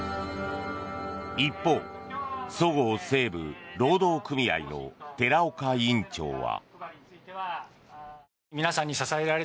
一方、そごう・西武労働組合の寺岡委員長は。